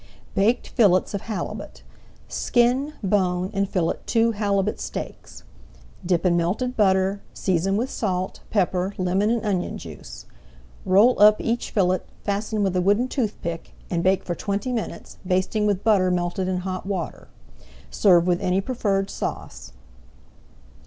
BAKED FILLETS OF HALIBUT Skin, bone and fillet two halibut steaks. [Page 177] Dip in melted butter, season with salt, pepper, lemon and onion juice. Roll up each fillet, fasten with a wooden toothpick, and bake for twenty minutes, basting with butter melted in hot water. Serve with any preferred sauce.